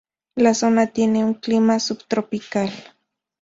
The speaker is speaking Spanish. La zona tiene un clima subtropical.